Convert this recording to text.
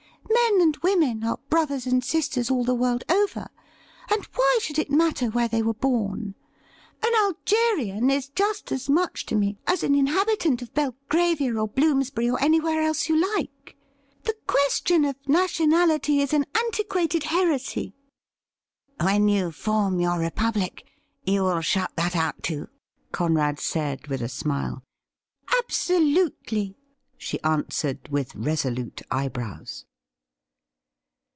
Men and women are brothers and sisters all the world over, and why should it matter where they were born.'' An Algerian is just as much to me as an inhabitant of Belgravia or Bloomsbuiy or anywhere else you like. The question of nationality is an antiquated heresy.' ' When you form your republic, you will shut that out too .?' Conrad said, with a smile. ' Absolutely,' she answered, with resolute eyebrows.